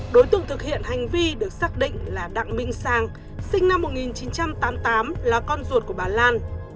đối tượng thực hiện hành vi được xác định là đặng minh sang sinh năm một nghìn chín trăm tám mươi tám là con ruột của bà lan